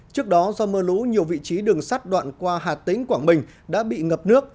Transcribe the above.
trước đó do mưa lũ nhiều vị trí đường sắt đoạn qua hà tĩnh quảng bình đã bị ngập nước